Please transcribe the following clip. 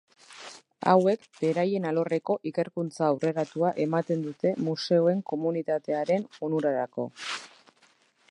Hauek beraien alorreko ikerkuntza aurreratua ematen dute museoen komunitatearen onurarako.